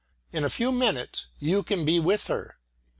In a few minutes you can be with her!"